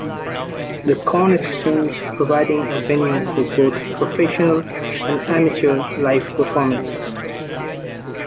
The Corn Exchange providing a venue for both professional and amateur live performances.